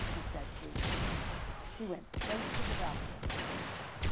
he said sweetly. She went straight to the doctor.